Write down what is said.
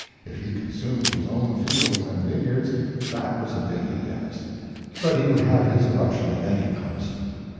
If he consumed his own fields and vineyards, that was a pity, yes; but he would have his eruption at any cost.